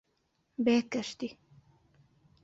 بە یەک کەشتی،